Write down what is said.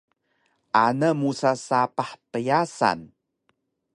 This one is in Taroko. Ana musa sapah pyasan